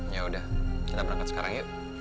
yaudah kita berangkat sekarang yuk